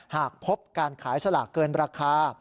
หากพบการขายสลากเกินราคา